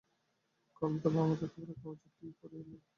কাল তবে আমাদের খবরের কাগজ কি করে এলো?